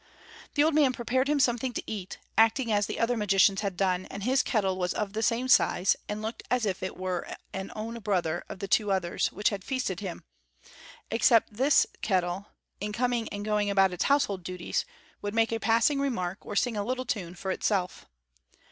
The old man prepared him something to eat, acting as the other magicians had done; and his kettle was of the same size, and looked as if it were an own brother of the two others which had feasted him, except that this kettle, in coming and going about its household duties, would make a passing remark or sing a little tune for itself.